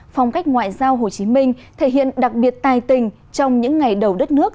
phong cách ngoại giao hồ chí minh thể hiện đặc biệt tài tình trong những ngày đầu đất nước